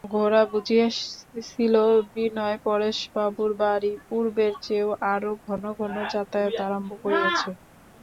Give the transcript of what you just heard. গোরা বুঝিয়াছিল বিনয় পরেশবাবুর বাড়ি পূর্বের চেয়েও আরো ঘন ঘন যাতায়াত আরম্ভ করিয়াছে।